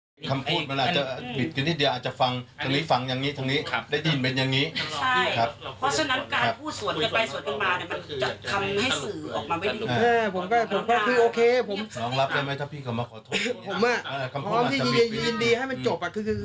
ผมก็พร้อมที่จะขอโทษเอาเรื่องที่ผ่านมาขอให้จบไป